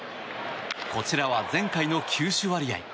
こちらは前回の球種割合。